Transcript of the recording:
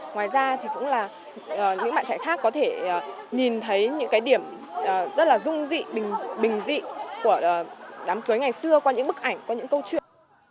ngoài ra thì cũng là những bạn trẻ khác có thể nhìn thấy những cái điểm rất là dung dị bình dị của đám cưới ngày xưa qua những bức ảnh qua những câu chuyện